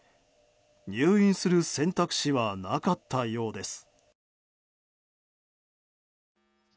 入院する選択肢はなかったようです。